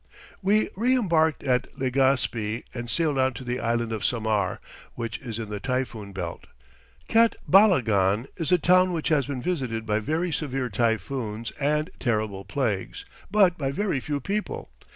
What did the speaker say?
We reëmbarked at Legaspi and sailed on to the island of Samar, which is in the typhoon belt. Catbalogan is a town which has been visited by very severe typhoons and terrible plagues, but by very few people.